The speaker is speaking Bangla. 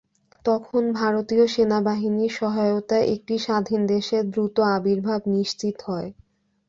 তখন ভারতীয় সেনাবাহিনীর সহায়তায় একটি স্বাধীন দেশের দ্রুত আবির্ভাব নিশ্চিত হয়।